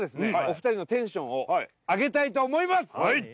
お二人のテンションを上げたいと思います